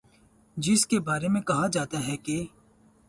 جس کے بارے میں کہا جاتا ہے کہ